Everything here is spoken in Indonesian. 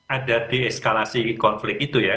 ada deeskalasi konflik itu ya